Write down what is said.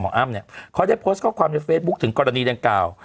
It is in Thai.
อ้ำเนี่ยเขาได้โพสต์ข้อความในเฟซบุ๊คถึงกรณีดังกล่าว